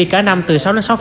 cả năm từ sáu sáu năm